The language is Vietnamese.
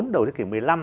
đầu thế kỷ một mươi năm